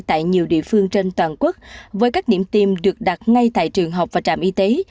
tại nhiều địa phương trên toàn quốc với các điểm tiêm được đặt ngay tại trường học và trạm y tế